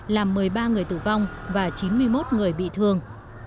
làm một mươi ba người tử vong và chín mươi một người bị thương